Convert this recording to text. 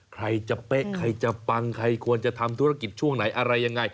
ใครจะเป๊ะใครจะปังใครควรจะทำธุรกิจช่วงไหนอะไรยังไง